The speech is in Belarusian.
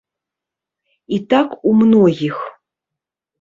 І так у многіх.